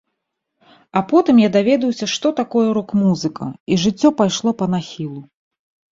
А потым я даведаўся што такое рок-музыка, і жыццё пайшло па нахілу.